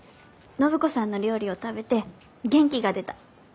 暢子さんの料理を食べて元気が出た。